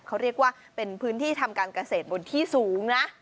เขาเรียกว่าเป็นพื้นที่ทำการเกษตรบนที่สูงนะ